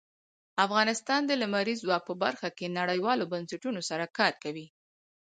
افغانستان د لمریز ځواک په برخه کې نړیوالو بنسټونو سره کار کوي.